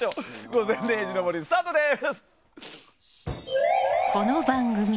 「午前０時の森」スタートです。